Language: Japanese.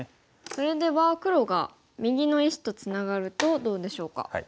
それでは黒が右の石とツナがるとどうでしょうか？